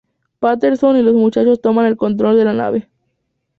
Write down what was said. Patterson y los muchachos toman el control de la nave.